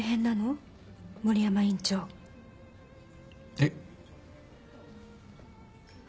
えっ？